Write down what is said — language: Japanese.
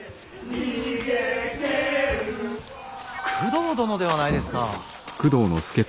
工藤殿ではないですか。